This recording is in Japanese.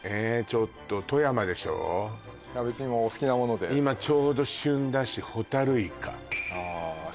ちょっと別にもうお好きなもので今ちょうど旬だしホタルイカああ